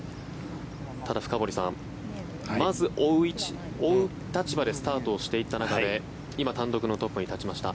ただ、深堀さんまず追う立場でスタートしていった中で今、単独のトップに立ちました。